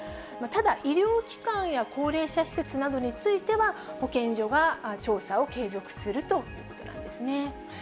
ただ医療機関や高齢者施設などについては、保健所が調査を継続するということなんですね。